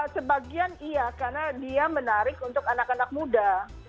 sebagian iya karena dia menarik untuk anak anak muda